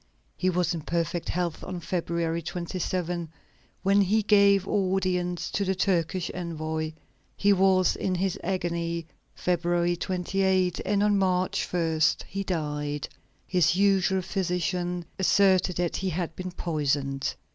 He was in perfect health on February 27, when he gave audience to the Turkish envoy; he was in his agony, February 28, and on March 1, he died. His usual physician asserted that he had been poisoned.